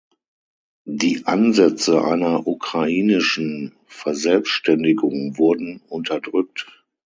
Die Ansätze einer ukrainischen Verselbstständigung wurden unterdrückt.